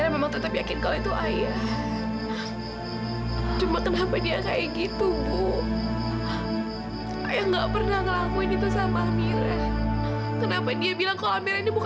pelan pelan kita harus rela